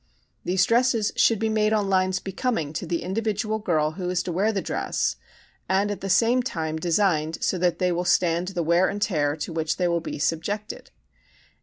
These dresses should be made on lines becoming to the individual girl who is to wear the dress, and at the same time designed so that they will stand the wear and tear to which they will be subjected.